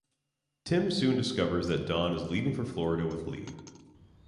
Tim soon discovers that Dawn is leaving for Florida with Lee.